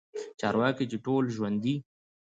چارواکي چې ټول ژوندي